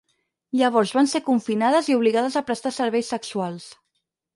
Llavors van ser confinades i obligades a prestar serveis sexuals.